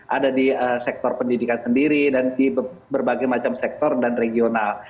ada di sektor pendidikan sendiri dan di berbagai macam sektor dan regional